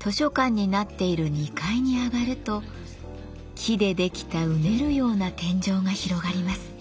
図書館になっている２階に上がると木でできたうねるような天井が広がります。